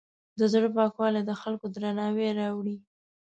د زړۀ پاکوالی د خلکو درناوی راوړي.